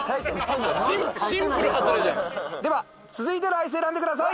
では続いてのアイス選んでください。